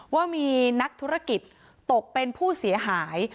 ว่ามีนักธุรกิจตกเป็นผู้เสียหาย